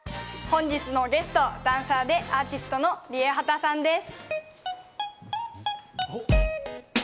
本日のゲスト、ダンサーでアーティストのＲＩＥＨＡＴＡさんです。